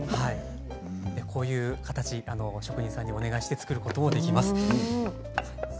こういう形職人さんにお願いして作ることもできます。